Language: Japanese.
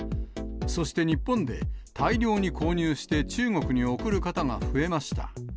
そして日本で、大量に購入して、中国に送る方が増えました。